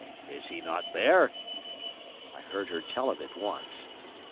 Is he not there?" (I heard her tell of it once.)